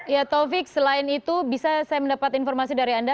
ya taufik selain itu bisa saya mendapat informasi dari anda